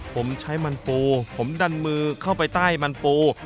ผมใช้มันปูผมดันมือเข้าไปใต้มันปู